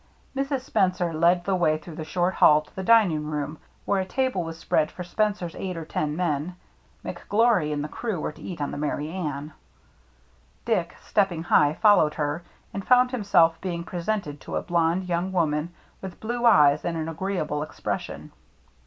Mrs. Spencer led the way through the short hall to the dining room, where a table was spread for Spencer's eight or ten men (Mc Glory and the crew were to eat on the Merry Anne). Dick, stepping high, followed her, and found himself being presented to a blond young woman with blue eyes and an agree able expression.